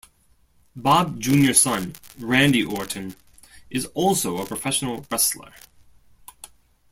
Bob Jr.'s son, Randy Orton, is also a professional wrestler.